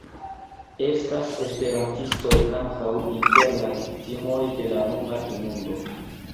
Estas esperantistoj ankaŭ inter la viktimoj de la nuna inundo.